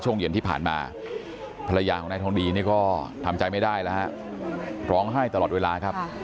หาว่าตัวเองมีคนใหม่หรือเปล่า